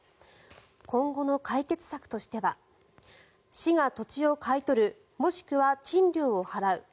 今後の解決策としては市が土地を買い取るもしくは賃料を払う。